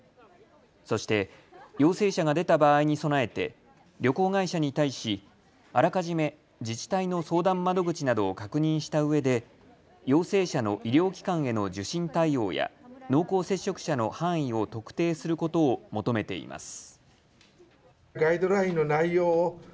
そして陽性者が出た場合に備えて旅行会社に対しあらかじめ自治体の相談窓口などを確認したうえで陽性者の医療機関への受診対応や濃厚接触者の範囲を特定することを求めています。